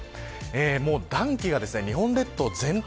暖気が日本列島全体